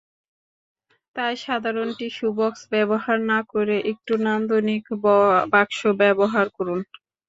তাই সাধারণ tissue box ব্যবহার না করে একটু নান্দনিক বাক্স ব্যবহার করুন।